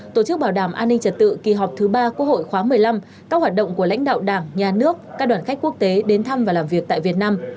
tổ chức bảo đảm an ninh trật tự kỳ họp thứ ba quốc hội khóa một mươi năm các hoạt động của lãnh đạo đảng nhà nước các đoàn khách quốc tế đến thăm và làm việc tại việt nam